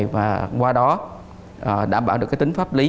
và qua đó đảm bảo được tính pháp lý